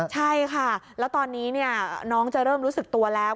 ใช่ค่ะแล้วตอนนี้น้องจะเริ่มรู้สึกตัวแล้ว